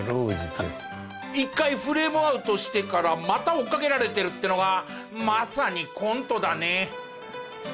一回フレームアウトしてからまた追っかけられてるってのがまさにコントだね。